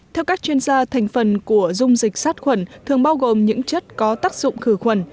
theo các chuyên gia thành phần của dung dịch sát khuẩn thường bao gồm những chất có tác dụng khử khuẩn